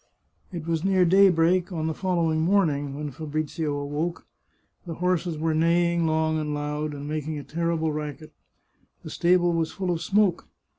It was near daybreak on the following morning when Fabrizio awoke. The horses were neighing long and loud, and making a terrible racket. The stable was full of smoke.